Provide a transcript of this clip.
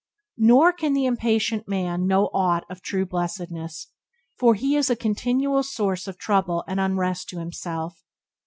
Nor can the impatient man know aught of true blessedness, for he is a continual source of trouble and unrest to himself.